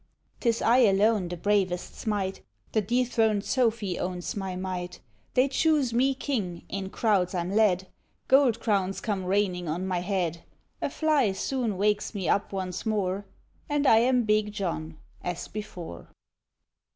'Tis I alone the bravest smite, The dethroned Sophy owns my might; They choose me king, in crowds I'm led; Gold crowns come raining on my head. A fly soon wakes me up once more, And I am Big John, as before.